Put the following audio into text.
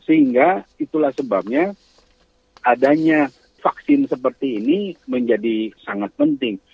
sehingga itulah sebabnya adanya vaksin seperti ini menjadi sangat penting